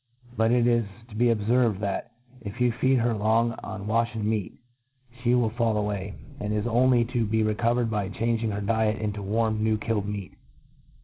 But it is to be obferved, that, if you feed her long on waftien meat, (he will fall away, and is only to be recovered by changing her diet into warnv new killed meat.